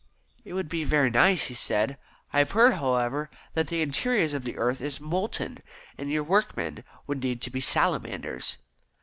"It would be very nice," he said. "I have heard, however, that the interior of the earth is molten, and your workmen would need to be Salamanders."